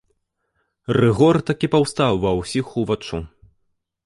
Рыгор так і паўстаў ва ўсіх уваччу.